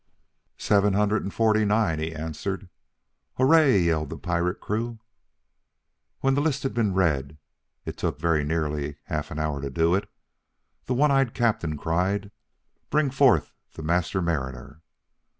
"Seven hundred and forty nine," he answered. "Hooray!" yelled the pirate crew. When the list had been read (it took very nearly half an hour to do it) the one eyed captain cried, "Bring forth the Master Mariner!"